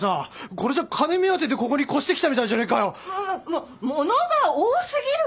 これじゃ金目当てでここに越してきたみたいじゃねえかよ！も物が多すぎるから！